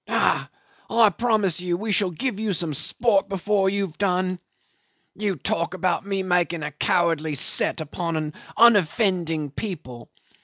Ah! I promise you we shall give you some sport before you've done. You talk about me making a cowardly set upon unoffending people.